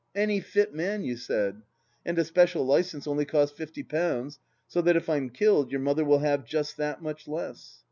Any fit man, you said. ... And a special licence only costs fifty pounds, so that if I'm killed your mother will have just that much less."